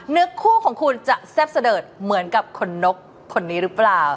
คู่ของคุณจะแซ่บเสดิร์ดเหมือนกับคนนกคนนี้หรือเปล่า